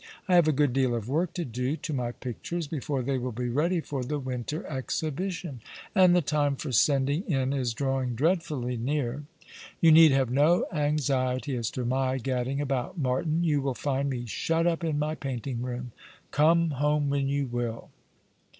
I have a good deal of work to do to my pictures before they will be ready for the winter exhibition, and the time for sending in is drawing dreadfully neai*. i86 All along the River, You need have no anxiety as to my gadding about, Martin You will find me shut up in my painting room, come home when you will."